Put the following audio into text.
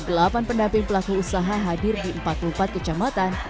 delapan pendamping pelaku usaha hadir di empat puluh empat kecamatan